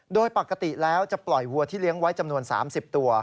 โดยปกติแล้วจะปล่อยวัวที่เลี้ยงไว้จำนวน๓๐ตัว